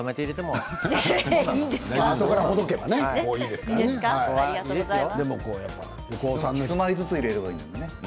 ひとまいずつ入れればいいんだね。